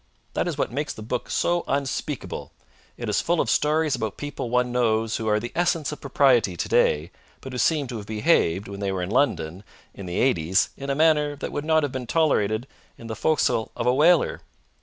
That is what makes the book so unspeakable. It is full of stories about people one knows who are the essence of propriety today, but who seem to have behaved, when they were in London in the 'eighties, in a manner that would not have been tolerated in the fo'c'sle of a whaler.